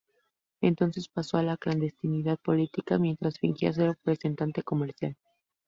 Entonces pasó a la clandestinidad política mientras fingía ser representante comercial.